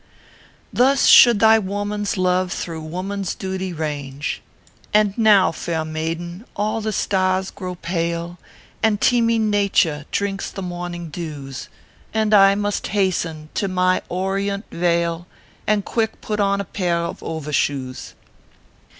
Thus should thy woman s love through woman s duties range. 128 OEPHEUS C. KERR PAPERS. And now, fair maiden, all the stars grow pale, And teeming Nature drinks the morning dews ; And I must hasten to my Orient vale, And quick put on a pair of over shoes.